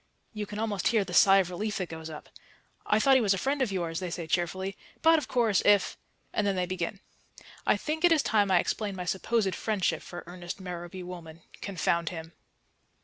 You can almost hear the sigh of relief that goes up. "I thought he was a friend of yours," they say cheerfully. "But, of course, if " and then they begin. I think it is time I explained my supposed friendship for Ernest Merrowby Woolman confound him.